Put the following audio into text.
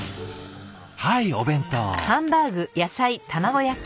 はいお弁当。